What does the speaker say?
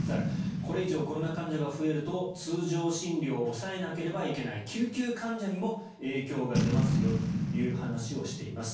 これ以上コロナ患者が増えると通常診療を抑えないといけない救急患者にも影響が出ますよという話をしています。